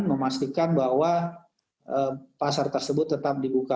memastikan bahwa pasar tersebut tetap dibuka